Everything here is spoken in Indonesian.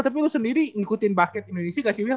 tapi lu sendiri ngikutin basket indonesia gak sih will